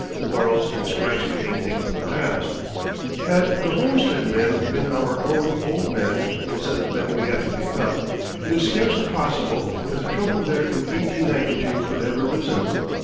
Quarrels and strikes became things of the past. Had the Homestead men been our own old men, instead of men we had to pick up, it is scarcely possible that the trouble there in 1892 could have arisen.